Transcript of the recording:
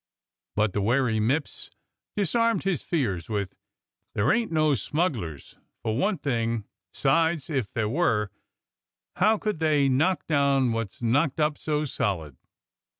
'^" But the wary Mipps disarmed his fears with : "There ain't no smugglers, for one thing; 'sides, if there was, how could they knock down wot's knocked up so solid